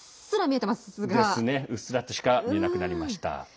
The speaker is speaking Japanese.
うっすらとしか見えなくなりました。